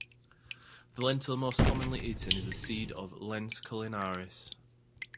The lentil most commonly eaten is the seed of "Lens culinaris".